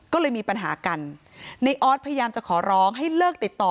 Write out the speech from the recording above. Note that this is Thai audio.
ก็เลยมีปัญหากันในออสพยายามจะขอร้องให้เลิกติดต่อ